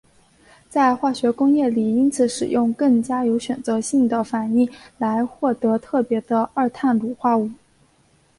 在化学工业里因此使用更加有选择性的反应来获得特别的二碳卤化物。